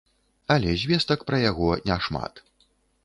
Але звестак пра яго няшмат.